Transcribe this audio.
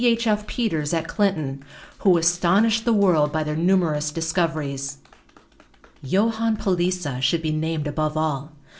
H. F. Peters at Clinton, who astonished the world by their numerous discoveries. Johann Palisa should be named above all.